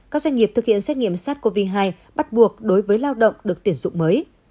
các doanh nghiệp thực hiện xét nghiệm sars cov hai bắt buộc đối với lao động được tuyển dụng mới